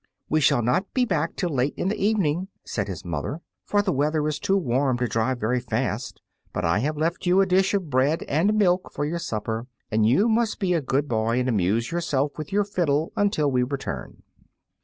"We shall not be back till late in the evening," said his mother, "for the weather is too warm to drive very fast. But I have left you a dish of bread and milk for your supper, and you must be a good boy and amuse yourself with your fiddle until we return."